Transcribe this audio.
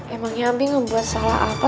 emangnya abi ngebuat salah apa